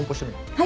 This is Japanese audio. はい！